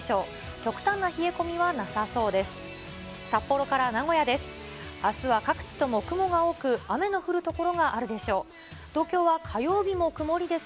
極端な冷え込みはなさそうです。